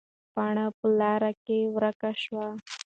پاڼه په لارو کې ورکه شوه.